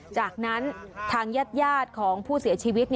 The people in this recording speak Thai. จากนั้นทางญาติของผู้เสียชีวิต